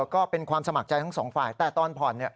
ก็เป็นความสมัครใจของทั้ง๒ฝ่ายแต่ตอนผ่อน